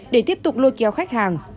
để tiếp tục lôi kéo khách hàng